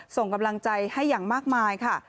ส่งกำลังใจให้อย่างมากมายค่ะ